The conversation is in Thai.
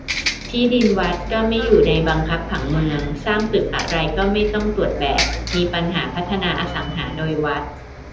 ที่ดินวัดก็ไม่อยู่ในบังคับผังเมือง สร้างตึกอะไรก็ไม่ต้องตรวจแบบ มีปัญหาพัฒนาอสังหาโดยวัด